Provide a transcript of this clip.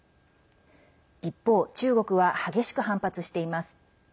一方、中国は激しく反発しています。